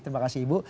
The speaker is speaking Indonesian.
terima kasih ibu